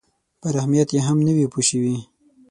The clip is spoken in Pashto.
پر اهمیت یې هم نه وي پوه شوي.